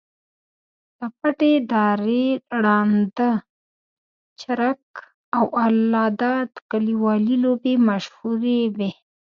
د پټې دُرې، ړانده چرک، او الله داد کلیوالې لوبې مشهورې وې.